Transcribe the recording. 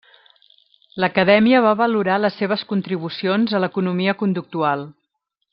L'Acadèmia va valorar les seves contribucions a l'economia conductual.